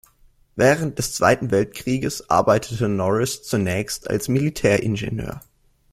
Während des Zweiten Weltkrieges arbeitete Norris zunächst als Militäringenieur.